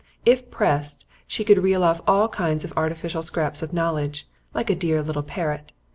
If pressed, she could reel off all kinds of artificial scraps of knowledge, like a dear little parrot.